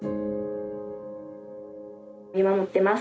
見守ってます。